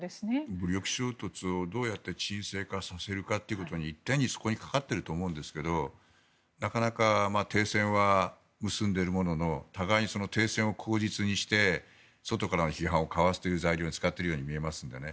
武力衝突をどうやって沈静化させるかという１点に、そこにかかってると思うんですけどなかなか停戦は結んでいるものの互いに停戦を口実にして外からの批判をかわすという材料に使っているように見えますのでね。